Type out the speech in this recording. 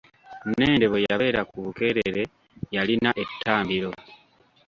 Nnende bwe yabeera ku Bukeerere yalina ettambiro.